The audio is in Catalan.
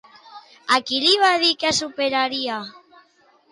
A qui li va dir que superaria?